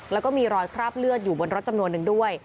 แล้วก็มีรอยคราบเลือดอยู่บนรถจำนวนนึงด้วย